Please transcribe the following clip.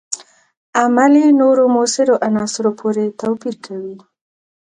عمل یې نورو موثرو عناصرو پورې توپیر کوي.